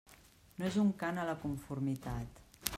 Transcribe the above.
No és un cant a la conformitat.